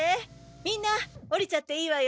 みんな降りちゃっていいわよ。